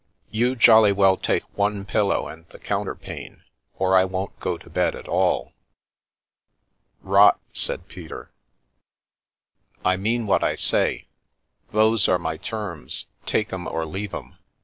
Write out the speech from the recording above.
You jolly well take one pillow and the counterpane, or I won't go to bed at all." " Rot !" said Peter. " I mean what I say. Those are my terms ; take 'em or leave 'em.